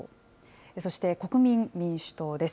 そして国民民主党です。